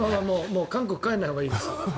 韓国に帰らないほうがいいです。